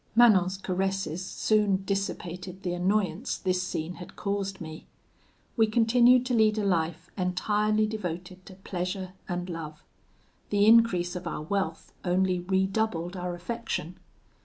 "Manon's caresses soon dissipated the annoyance this scene had caused me. We continued to lead a life entirely devoted to pleasure and love. The increase of our wealth only redoubled our affection.